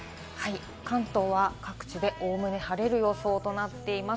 関東は各地でおおむね晴れる予想となっています。